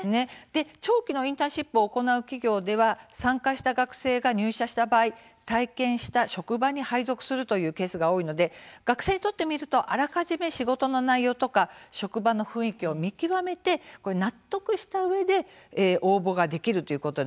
長期のインターンシップを行う企業では参加した学生が入社した場合体験した職場に配属するというケースが多いので学生にとってみるとあらかじめ仕事の内容や職場の雰囲気を見極めて納得したうえで応募ができる。